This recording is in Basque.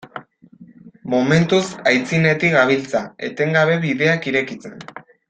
Momentuz aitzinetik gabiltza, etengabe bideak irekitzen.